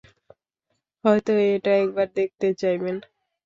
হয়ত এটা একবার দেখতে চাইবেন।